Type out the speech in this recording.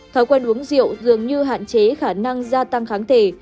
thói quen uống rượu dường như hạn chế khả năng gia tăng kháng thể